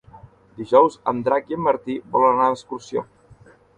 Dijous en Drac i en Martí volen anar d'excursió.